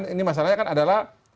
ini masalahnya kan adalah